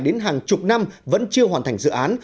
đến hàng chục năm vẫn chưa hoàn thành dự án